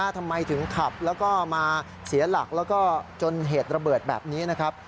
ทำไมถึงขับแล้วก็มาเสียหลักแล้วก็จนเหตุระเบิดแบบนี้นะครับ